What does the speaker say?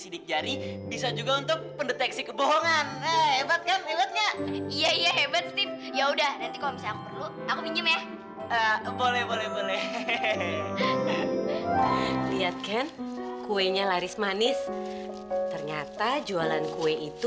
terus lagi bayi perempuan lagi